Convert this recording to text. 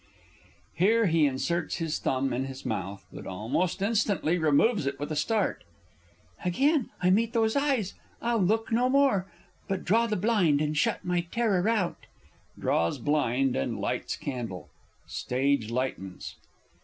[Here he inserts his thumb in his mouth, but almost instantly removes it with a start. Again I meet those eyes! I'll look no more But draw the blind and shut my terror out. [_Draws blind and lights candle; Stage lightens.